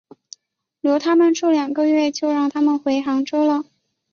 留他们住了两个月就让他们回杭州了。